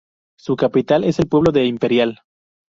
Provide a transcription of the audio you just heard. Su capital es el pueblo de Imperial.